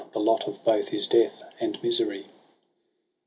The lot of both is death and misery.'